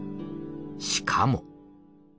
しかも。